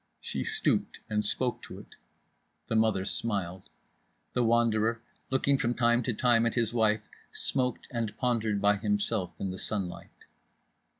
She stooped and spoke to it. The mother smiled. The Wanderer, looking from time to time at his wife, smoked and pondered by himself in the sunlight.